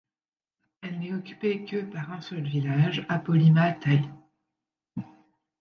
Elle n'est occupée que par un seul village, Apolima Tai.